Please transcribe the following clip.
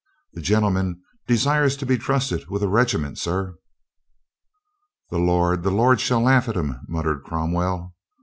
"The gentleman desires to be trusted with a regi ment, sir." "The Lord, the Lord shall laugh at him," mut tered Cromwell.